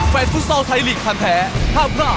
แฟนฟุตเซาไทยหลีกทันแท้ห้ามพลาด